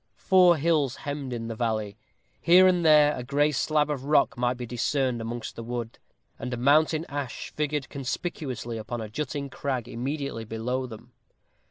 Four hills hemmed in the valley. Here and there a gray slab of rock might be discerned amongst the wood, and a mountain ash figured conspicuously upon a jutting crag immediately below them.